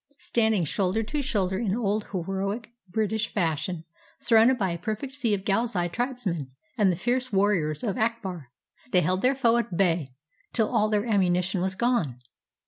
Standing shoulder to shoulder in old heroic British fashion, surrounded by a perfect sea of Ghilzai tribesmen, and the fierce warriors of Akbar, they held their foe at bay till all their ammuni tion was gone.